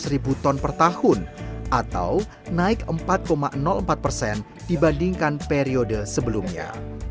tiga ratus ribu ton per tahun atau naik empat empat dibandingkan periode sebelumnya